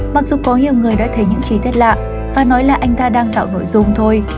mặc dù có nhiều người đã thấy những chi tiết lạ và nói là anh ta đang tạo nội dung thôi